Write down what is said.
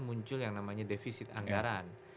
muncul yang namanya defisit anggaran